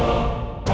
nggak nggak kena